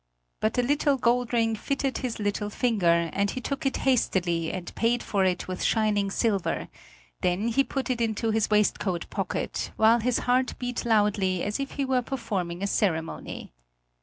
But the little gold ring fitted his little finger, and he took it hastily and paid for it with shining silver; then he put it into his waistcoat pocket while his heart beat loudly as if he were performing a ceremony.